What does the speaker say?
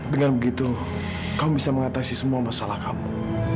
dengan begitu kau bisa mengatasi semua masalah kamu